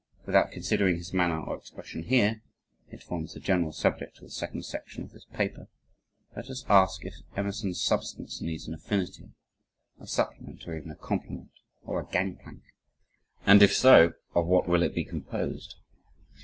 Without considering his manner or expression here (it forms the general subject of the second section of this paper), let us ask if Emerson's substance needs an affinity, a supplement or even a complement or a gangplank? And if so, of what will it be composed?